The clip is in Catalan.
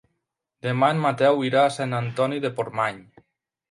Demà en Mateu irà a Sant Antoni de Portmany.